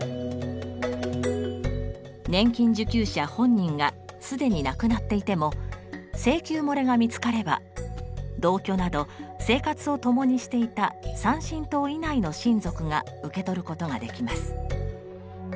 年金受給者本人が既に亡くなっていても請求もれが見つかれば同居など生活をともにしていた３親等以内の親族が受け取ることができます。